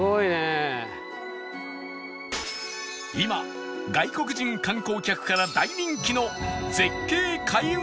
今外国人観光客から大人気の絶景開運